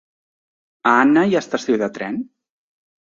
A Anna hi ha estació de tren?